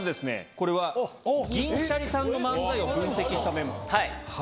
これは銀シャリさんの漫才を分析したメモはい。